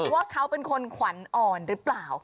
ว่าเขาเป็นคนขวัญอ่อนหรือเปล่า